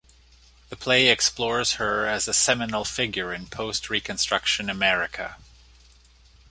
The play explores her as a seminal figure in Post-Reconstruction America.